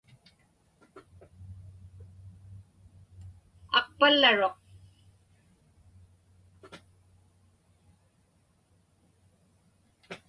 Aqpallaruq.